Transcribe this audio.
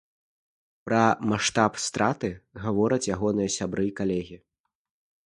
Пра маштаб страты гавораць ягоныя сябры і калегі.